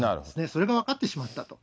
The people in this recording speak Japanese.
それが分かってしまったと。